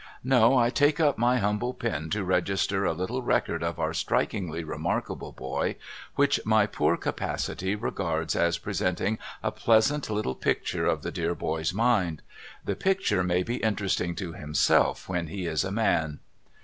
No, I take up my humble pen to register a little record of our strikingly remarkable boy, which my poor capacity regards as pre senting a pleasant little picture of the dear boy's mind. The picture may be interesting to himself when he is a man.